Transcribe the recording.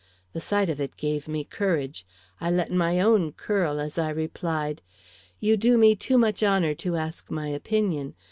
The sight of it gave me courage. I let my own curl as I replied: "You do me too much honor to ask my opinion.